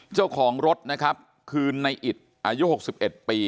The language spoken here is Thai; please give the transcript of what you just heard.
เจ้าของรถนะครับคือนายอิตอายุหกสิบเอ็ดปี